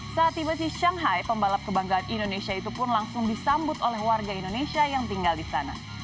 saat tiba di shanghai pembalap kebanggaan indonesia itu pun langsung disambut oleh warga indonesia yang tinggal di sana